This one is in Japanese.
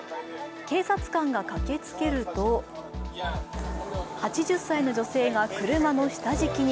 警察官が駆けつけると８０歳の女性が車の下敷きに。